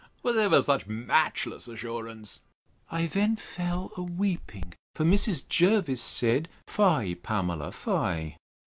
Was ever such matchless assurance!—— I then fell a weeping; for Mrs. Jervis said, Fie, Pamela, fie!